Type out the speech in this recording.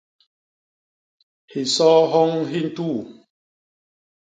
Hisoo hyoñ hi ntuu.